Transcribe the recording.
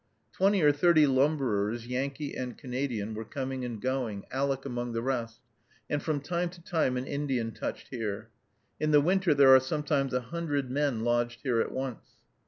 Twenty or thirty lumberers, Yankee and Canadian, were coming and going, Aleck among the rest, and from time to time an Indian touched here. In the winter there are sometimes a hundred men lodged here at once.